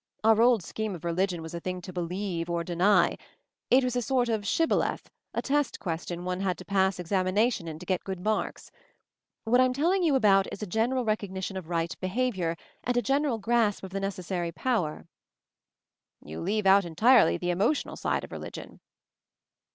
Our old scheme of religion was a thing to 'believe,' or 'deny'; it was a sort of shibboleth, a test question one had to pass examination in to get good marks! What I'm telling you about is a general rec ognition of right behavior, and a general grasp of the necessary power." "You leave out entirely the emotional side of religion."